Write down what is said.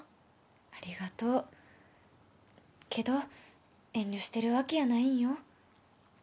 ありがとうけど遠慮してるわけやないんよ